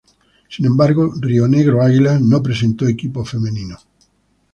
Sin embargo Rionegro Águilas no presentó equipo femenino.